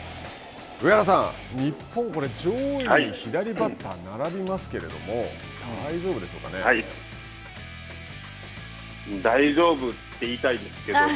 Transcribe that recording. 上原さん、日本、上位に左バッターが並びますけれども、大丈夫で大丈夫って言いたいですけども。